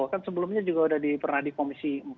kan sebelumnya juga sudah pernah di komisi empat